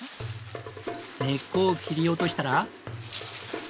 根っこを切り落としたら。